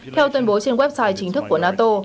theo tuyên bố trên website chính thức của nato